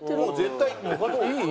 いい？